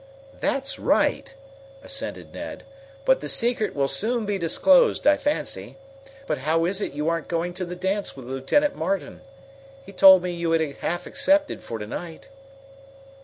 "That's right," assented Ned. "But the secret will soon be disclosed, I fancy. But how is it you aren't going to the dance with Lieutenant Martin? He told me you had half accepted for to night."